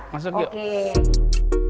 masuk ya pak ya